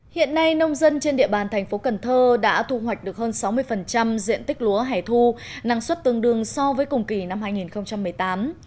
hiện nay nông dân trên địa bàn thành phố cần thơ đã thu hoạch được hơn sáu mươi diện tích lúa hẻ thu năng suất tương đương so với cùng kỳ năm hai nghìn một mươi tám